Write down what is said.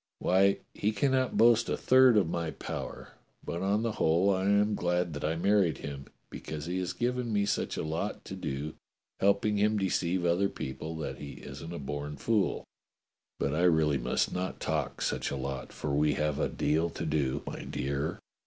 Why, he cannot boast a third of my powder, but on the whole I am glad that I married him, because he has given me such a lot to do helping him deceive other people that he isn't a born fool. But I really must not talk such a lot, for we have a deal to do, my dear.